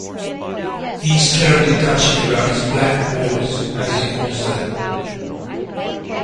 He's terribly touchy about his black wards, as he calls them.